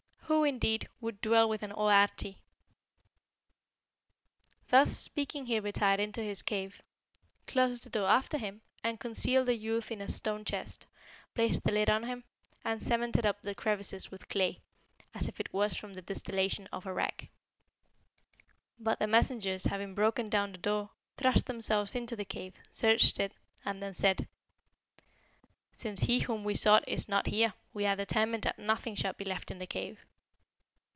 who, indeed, would dwell with an old Arschi?' "Thus speaking he retired into his cave, closed the door after him, and concealed the youth in a stone chest, placed the lid on him, and cemented up the crevices with clay, as if it was from the distillation of arrack. But the messengers having broken down the door, thrust themselves into the cave, searched it, and then said, 'Since he whom we sought is not here, we are determined that nothing shall be left in the cave.'